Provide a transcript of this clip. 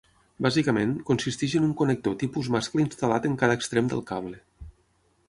Bàsicament, consisteix en un connector tipus mascle instal·lat en cada extrem del cable.